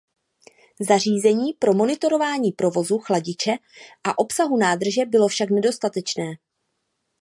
Zařízení pro monitorování provozu chladiče a obsahu nádrže bylo však nedostatečné.